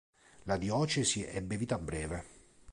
La diocesi ebbe vita breve.